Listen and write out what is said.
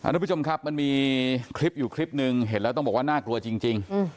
ทุกผู้ชมครับมันมีคลิปอยู่คลิปหนึ่งเห็นแล้วต้องบอกว่าน่ากลัวจริง